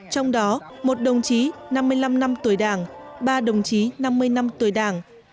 trong đó một đồng chí năm mươi năm năm tuổi đảng ba đồng chí năm mươi năm tuổi đảng